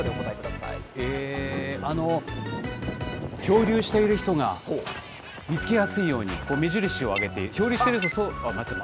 えー、あの、漂流している人が見つけやすいように、目印をあげて、漂流。